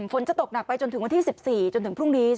ฝนจะตกหนักไปจนถึงวันที่๑๔จนถึงพรุ่งนี้